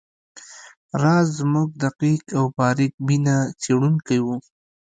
راز زموږ دقیق او باریک بینه څیړونکی وو